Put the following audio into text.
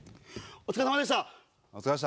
お疲れさまでした。